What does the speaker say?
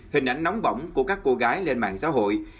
hình ảnh nóng bỏng của các cô gái lên mạng xã hội